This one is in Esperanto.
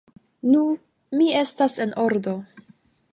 Nu, mi estas en ordo!